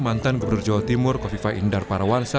mantan gubernur jawa timur kofifa indar parawansa